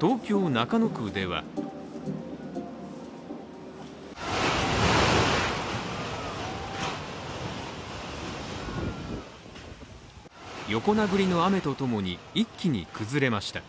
東京・中野区では横殴りの雨とともに、一気に崩れました。